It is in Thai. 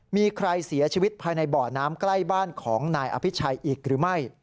มีใครเสียชีวิตภายในบ่อน้ำใกล้บ้านของนายอภิชัยอีกหรือไม่